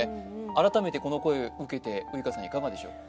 改めてこの声を受けてウイカさんいかがでしょう？